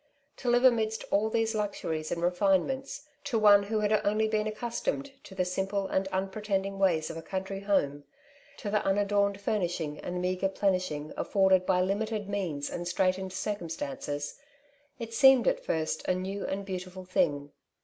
To live amidst all these luxuries and refinements to one who had only been accustomed to the simple and unpretending ways of a country home — to the unadorned furnishing and meagre plenishing afforded by limited means and straitened circum stances — it seemed at first a new and beautiful thing.